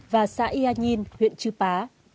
và xã ianyin huyện chư pá